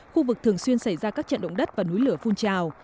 khu vực thường xuyên xảy ra các trận động đất và núi lửa phun trào